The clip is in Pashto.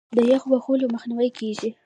د یخ وهلو مخنیوی کیږي.